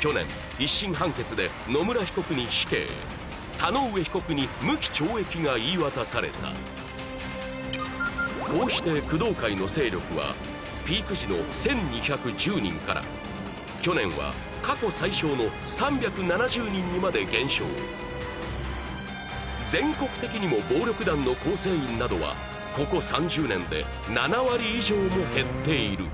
去年一審判決で野村被告に死刑田上被告に無期懲役が言い渡されたこうして工藤会の勢力はピーク時の１２１０人から去年は過去最少の３７０人にまで減少全国的にも暴力団の構成員などはここ３０年で７割以上も減っている